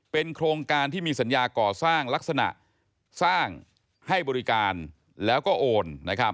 เป็นโครงการที่มีสัญญาก่อสร้างลักษณะสร้างให้บริการแล้วก็โอน